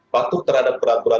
patuh terhadap peraturan